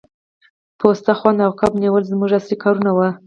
پوسته خونه او کب نیول زموږ اصلي کارونه وو